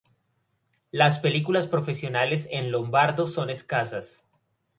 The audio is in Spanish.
Las películas profesionales en lombardo son escasas.